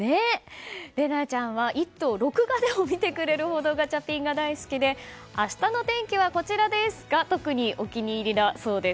伶奈ちゃんは「イット！」を録画でも見てくれるほどガチャピンが大好きで明日の天気はこちらですが特にお気に入りだそうです。